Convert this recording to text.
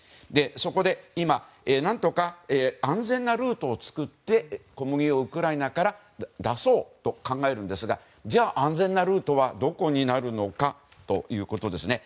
そこで今何とか安全なルートを作って小麦をウクライナから出そうと考えるんですがじゃあ、安全なルートはどこになるのかということですね。